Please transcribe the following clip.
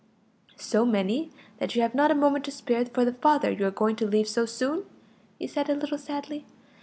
"So many that you have not a moment to spare for the father you are going to leave so soon?" he said a little sadly.